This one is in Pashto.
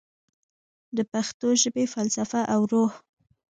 د پښتو ژبې فلسفه او روح